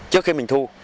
trước khi mình thu